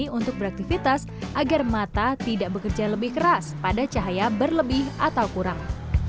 jangan lupa beraktifitas agar mata tidak bekerja lebih keras pada cahaya berlebih atau kurang